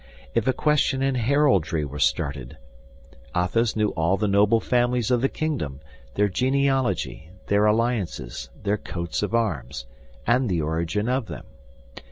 If a question in heraldry were started, Athos knew all the noble families of the kingdom, their genealogy, their alliances, their coats of arms, and the origin of them.